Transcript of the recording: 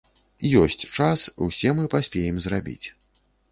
Ёсць час, усе мы паспеем зрабіць.